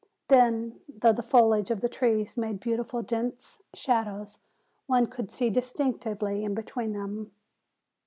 Then, though the foliage of the trees made beautiful, dense shadows, one could see distinctly in between them.